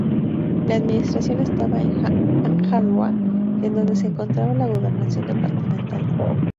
La administración estaba en Hanga Roa, en donde se encontraba la gobernación departamental.